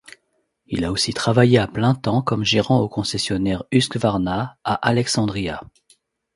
Il a aussi travaillé à plein temps comme gérant au concessionnaire Husqvarna à Alexandria.